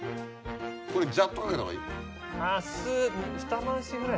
これジャっとかけたほうがいい？